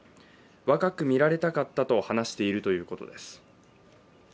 若く見られたかったと話しているということです。